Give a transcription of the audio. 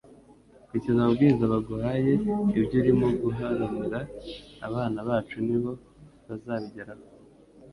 Kurikiza amabwiriza baguhaye ibyo urimo guharanira abana bacu nib o bazabigeraho.”